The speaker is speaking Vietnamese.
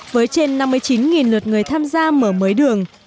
với trên năm mươi chín lượt người tham gia mở mới đường